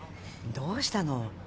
どうしたの？